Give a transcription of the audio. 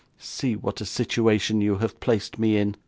'See what a situation you have placed me in!